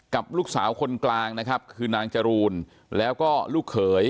กับลูกสาวคนกลางนะครับคือนางจรูนแล้วก็ลูกเขย